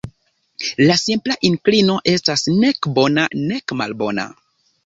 La simpla inklino estas nek bona nek malbona.